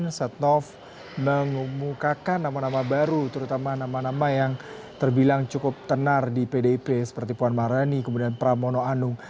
setnov mengumumkakan nama nama baru terutama nama nama yang terbilang cukup tenar di pdip seperti puan maharani kemudian pramono anung